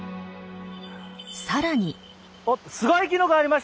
さらに。